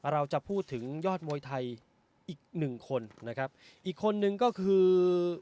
เราจะพูดถึงยอดมวยไทยอีกหนึ่งคนนะครับอีกคนนึงก็คือ